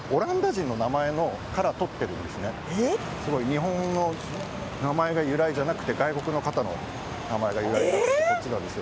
日本の名前が由来じゃなくて外国の方の名前が由来になっているんですよ。